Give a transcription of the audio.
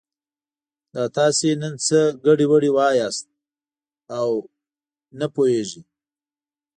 دا تاسې نن څه ګډې وډې وایئ او یې نه پوهېږي.